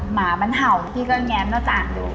หมามันเห่าพี่ก็แง้มหน้าต่างดู